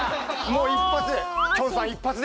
もう一発で。